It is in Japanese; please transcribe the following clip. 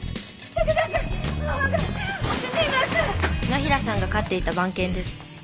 野平さんが飼っていた番犬です。